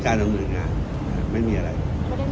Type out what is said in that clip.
การประชุมเมื่อวานมีข้อกำชับหรือข้อกำชับอะไรเป็นพิเศษ